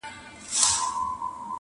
پرون ورور سبا تربور وي بیا دښمن سي٫